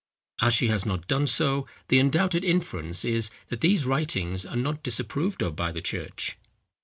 As she has not done so, the undoubted inference is, that these writings are not disapproved of by the church.